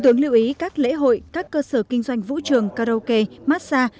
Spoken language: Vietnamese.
thủ tướng lưu ý các lễ hội các cơ sở kinh doanh vũ trường karaoke massage